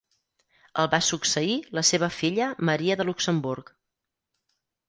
El va succeir la seva filla Maria de Luxemburg.